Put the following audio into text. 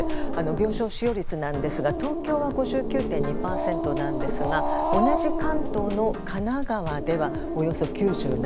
病床使用率なんですが東京は５９．２％なんですが同じ関東の神奈川ではおよそ９７％。